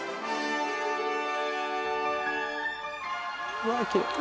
うわあきれい。